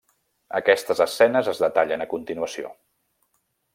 Aquestes escenes es detallen a continuació.